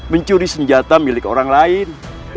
mencuri senjata milik orang lain